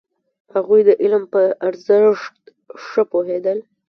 هغوی د علم په ارزښت ښه پوهېدل.